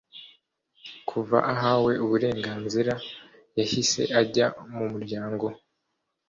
Kuva ahawe uburenganzira yahise ajya mumuryango